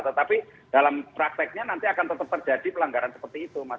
tetapi dalam prakteknya nanti akan tetap terjadi pelanggaran seperti itu mas